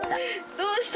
どうした？